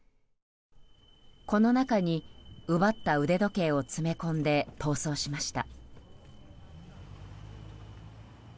この中に奪った腕時計を詰め込んで、逃走しました。